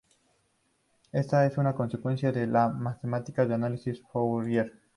Esta es una consecuencia de las matemáticas del análisis de Fourier.